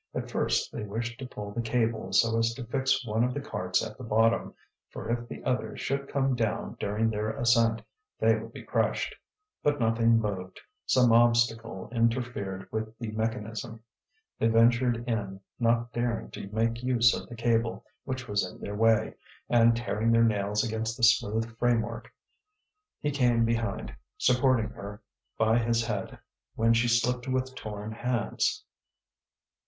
At first they wished to pull the cable so as to fix one of the carts at the bottom, for if the other should come down during their ascent, they would be crushed. But nothing moved, some obstacle interfered with the mechanism. They ventured in, not daring to make use of the cable which was in their way, and tearing their nails against the smooth framework. He came behind, supporting her by his head when she slipped with torn hands.